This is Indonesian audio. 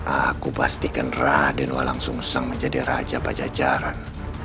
aku pastikan raden walangsungsang menjadi raja pajajaran